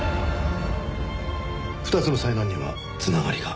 ２つの災難には繋がりが。